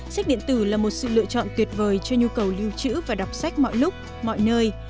sách điện tử là một sự lựa chọn tuyệt vời cho nhu cầu lưu trữ và đọc sách mọi lúc mọi nơi